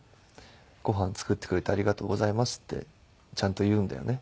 「ご飯作ってくれてありがとうございます」ってちゃんと言うんだよね。